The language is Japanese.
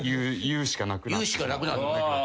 言うしかなくなった。